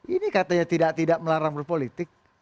ini katanya tidak tidak melarang berpolitik